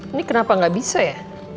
ini kenapa nggak bisa ya